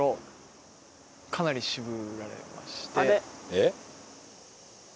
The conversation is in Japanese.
えっ？